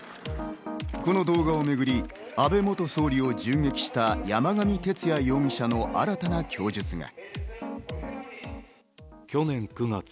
この動画をめぐり、安倍元総理を銃撃した山上徹也容疑者の新たな供述が。